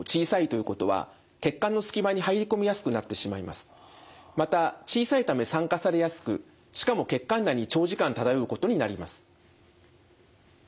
また小さいため酸化されやすくしかも血管内に長時間漂うことになります。